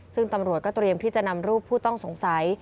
ซึ่งตำรวจก็เตรียมที่จะนำรูปผู้ต้องสงสัย